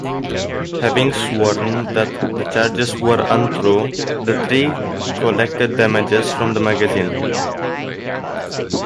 Having sworn that the charges were untrue, the three collected damages from the magazine.